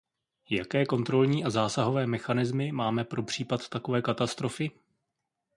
Jaké kontrolní a zásahové mechanismy máme pro případ takové katastrofy?